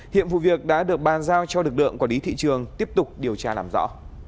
hiện vụ việc đã được bàn giao cho lực lượng quản lý thị trường tiếp tục điều tra làm rõ